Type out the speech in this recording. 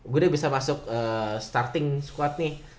gue udah bisa masuk starting squad nih